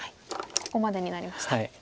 ここまでになりました。